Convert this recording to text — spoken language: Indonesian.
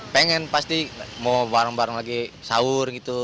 pengen pasti mau bareng bareng lagi sahur gitu